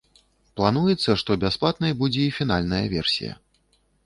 Плануецца, што бясплатнай будзе і фінальная версія.